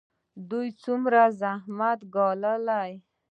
دوی څومره زحمت ګالي؟